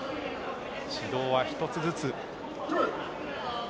指導は１つずつ。